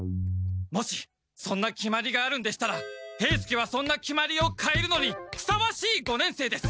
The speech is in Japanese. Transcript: もしそんな決まりがあるんでしたら兵助はそんな決まりをかえるのにふさわしい五年生です！